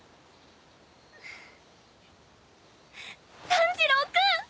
炭治郎君！